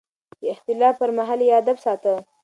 د اختلاف پر مهال يې ادب ساته.